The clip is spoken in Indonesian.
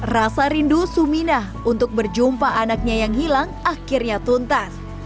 rasa rindu suminah untuk berjumpa anaknya yang hilang akhirnya tuntas